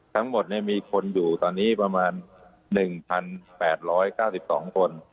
ทั้งหมดมีคนอยู่ตอนนี้ประมาณ๑๘๙๒คน